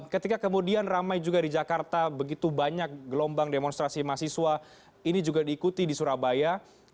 ketika kemudian ramai juga di jakarta begitu banyak gelombang demonstrasi mahasiswa ini juga diikuti di surabaya